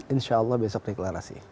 insya allah besok deklarasi